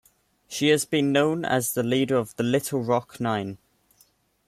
She has been known as the leader of the Little Rock Nine.